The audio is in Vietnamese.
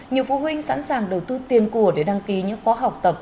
nhiều phụ huynh sẵn sàng đầu tư tiền của để đăng ký những khóa học tập